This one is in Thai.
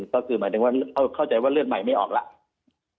ก็คือเข้าใจว่าเลือดใหม่ไม่ออกแล้ว